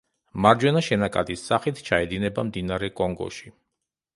მარჯვენა შენაკადის სახით ჩაედინება მდინარე კონგოში.